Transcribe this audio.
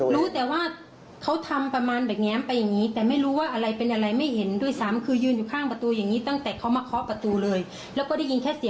แล้วเขาก็ปิดประตูไปนั่งอยู่ตรงนั้นเขาสั่งอย่างนี้